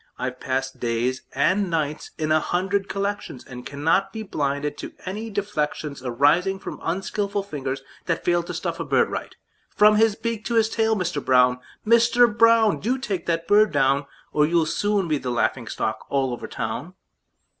I've passed days and nights in a hundred collections, And cannot be blinded to any deflections Arising from unskilful fingers that fail To stuff a bird right, from his beak to his tail. Mister Brown! Mister Brown! Do take that bird down, Or you'll soon be the laughing stock all over town!"